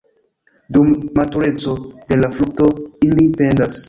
Dum matureco de la frukto ili pendas.